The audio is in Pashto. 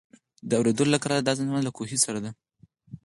د اورېدلو له قراره د زمزم له کوهي سره.